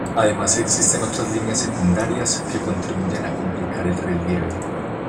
Además existen otras líneas secundarias que contribuyen a complicar el relieve.